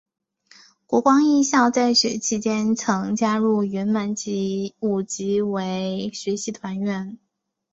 国光艺校在学期间曾加入云门舞集为实习团员。